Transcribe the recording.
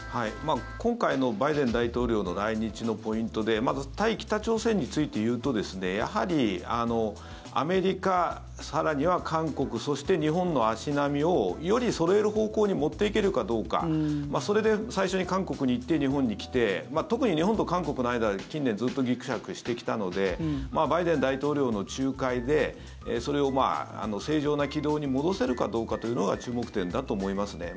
今回のバイデン大統領の来日のポイントでまず、対北朝鮮について言うとやはりアメリカ、更には韓国そして日本の足並みをより、そろえる方向に持っていけるかどうかそれで最初に韓国に行って日本に来て特に日本と韓国の間は近年ずっとぎくしゃくしてきたのでバイデン大統領の仲介でそれを正常な軌道に戻せるかどうかというのが注目点だと思いますね。